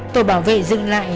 tổ bảo vệ dừng lại